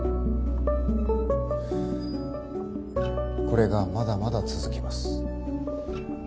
これがまだまだ続きます。